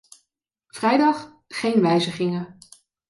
Vrijdag: geen wijzigingen.